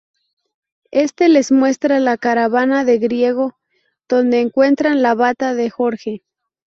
Éste les muestra la caravana de Gringo, donde encuentran la bata de Jorge.